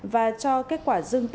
và cho kết quả dưng